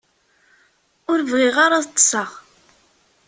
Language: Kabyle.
Ur bɣiɣ ara ad ṭṭseɣ.